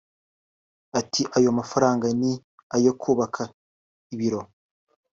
Ati “Ayo mafaranga ni ayo kubaka ibiro